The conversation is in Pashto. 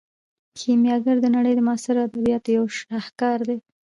کیمیاګر د نړۍ د معاصرو ادبیاتو یو شاهکار دی.